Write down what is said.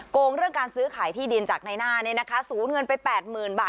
โกงเรื่องการซื้อขายที่ดินจากนายนาเนี่ยนะคะสูงเงินไปแปดหมื่นบาท